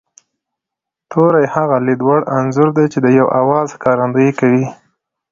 توری هغه لید وړ انځور دی چې د یوه آواز ښکارندويي کوي